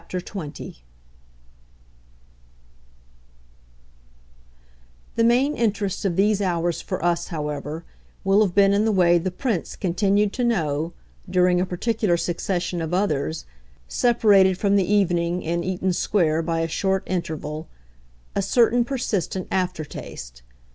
XX The main interest of these hours for us, however, will have been in the way the Prince continued to know, during a particular succession of others, separated from the evening in Eaton Square by a short interval, a certain persistent aftertaste.